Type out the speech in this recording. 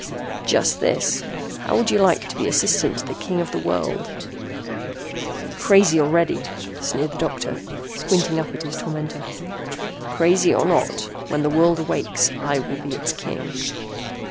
"Just this. How would you like to be assistant to the King of the World?" "Crazy already," sneered the doctor, squinting up at his tormentor. "Crazy or not, when the world awakes I will be its king."